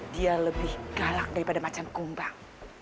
dia lebih galak daripada macam kumbang